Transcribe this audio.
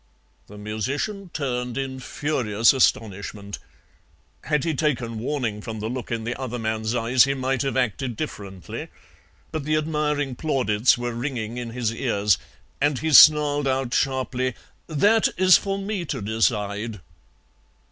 "The musician turned in furious astonishment. Had he taken warning from the look in the other man's eyes he might have acted differently. But the admiring plaudits were ringing in his ears, and he snarled out sharply, 'That is for me to decide.'